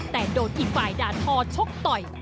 แต่โดนอีกฝ่ายด่าทอชกต่อย